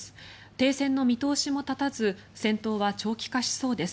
停戦の見通しも立たず戦闘は長期化しそうです。